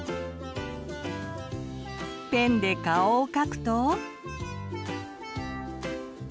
ペンで顔を描くと。